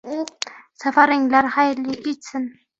Safaringlar xayrli kechsin.